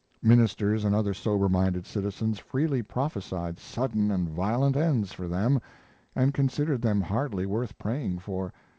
Ministers and other sober minded citizens freely prophesied sudden and violent ends for them, and considered them hardly worth praying for.